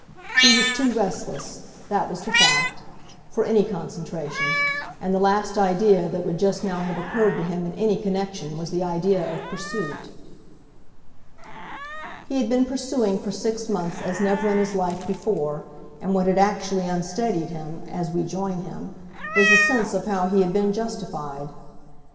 He was too restless that was the fact for any concentration, and the last idea that would just now have occurred to him in any connection was the idea of pursuit. He had been pursuing for six months as never in his life before, and what had actually unsteadied him, as we join him, was the sense of how he had been justified.